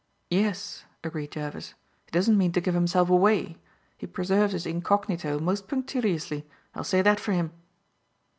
"Yes," agreed Jervis; "he doesn't mean to give himself away. He preserves his incognito most punctiliously. I'll say that for him."